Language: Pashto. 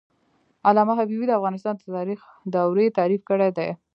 علامه حبيبي د افغانستان د تاریخ دورې تعریف کړې دي.